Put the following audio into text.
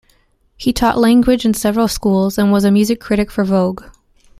He taught languages in several schools and was a music critic for "Vogue".